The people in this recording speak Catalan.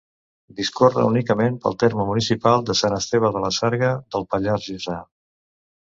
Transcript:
Discorre únicament pel terme municipal de Sant Esteve de la Sarga, del Pallars Jussà.